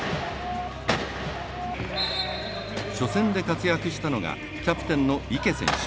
初戦で活躍したのがキャプテンの池選手。